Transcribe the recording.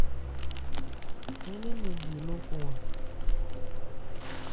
Ń nɛn nɛn bhye lókɔn a.